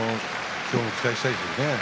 今日も期待したいですね。